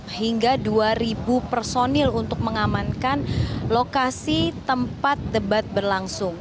persepakat yang diperlukan adalah ratusan personil untuk mengamankan lokasi tempat debat berlangsung